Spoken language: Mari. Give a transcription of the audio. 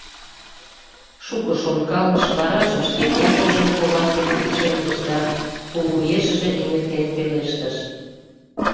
Шуко шонкалыш, варажым шке теҥгылжым коваж деке лишемдыш да пулвуешыже эҥертен, пелештыш: